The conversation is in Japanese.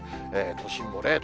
都心も０度。